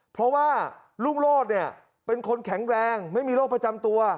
เพราะว่าลุงโรธเนี่ยเป็นคนแข็งแรงไม่มีโรคประจำตัว